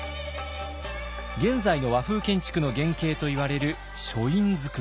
現在の和風建築の原型といわれる書院造り。